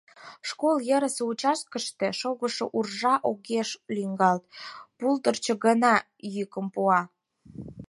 Школ йырысе участкыште шогышо уржа огеш лӱҥгалт, пулдырчо гына йӱкым пуа: